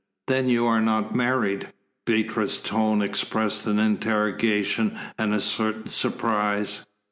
"Then you are not married?" Beatrice's tone expressed an interrogation and a certain surprise.